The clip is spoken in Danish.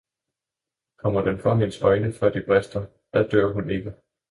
kommer den for hendes øjne, før de brister, da dør hun ikke.